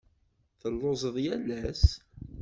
Telluẓeḍ yal ass.